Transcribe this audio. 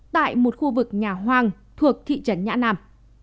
tại một khu vực nhà hoàng thuộc thị trấn nhã nam